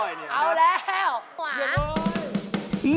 เย็นเลย